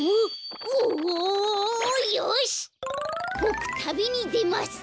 ぼくたびにでます。